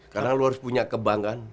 karena lo harus punya kebanggaan